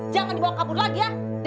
jangan dibawa kabur lagi ya